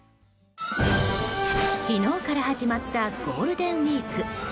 昨日から始まったゴールデンウィーク。